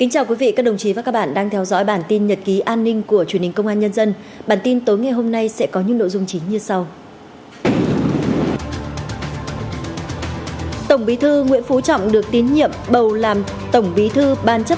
hãy đăng ký kênh để ủng hộ kênh của chúng mình nhé